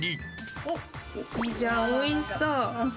おっ、いいじゃん、おいしそ